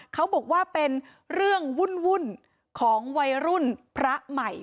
เขาบอกว่าเป็นเรื่องวุ่นของวัยรุ่นพระใหม่